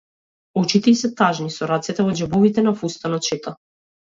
Очите ѝ се тажни, со рацете во џебовите на фустанот шета.